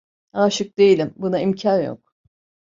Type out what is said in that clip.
Aşık değilim, buna imkan yok.